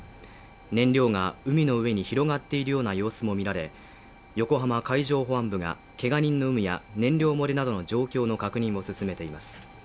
燃料が海の上に広がっているような様子も見られ、横浜海上保安部がけが人の有無や燃料漏れなどの状況の確認を進めています。